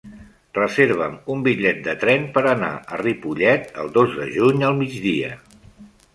Reserva'm un bitllet de tren per anar a Ripollet el dos de juny al migdia.